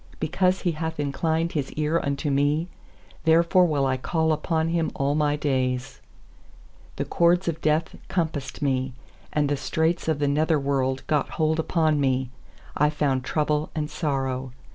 2Because He hath inclined His eai unto me, Therefore will I call upon Him all my days. 3The cords of death compassed me, And the straits of the nether worlc got hold upon me; I found trouble and sorrow.